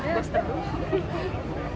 jadi booster dulu